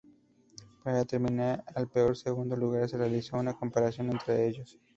Para determinar al peor segundo lugar se realizó una comparación entre ellos.